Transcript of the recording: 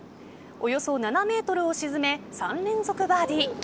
およそ７ｍを沈め３連続バーディー。